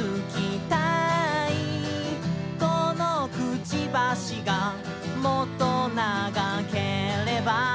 「このくちばしがもっと長ければ」